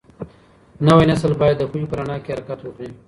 نوی نسل باید د پوهې په رڼا کي حرکت وکړي.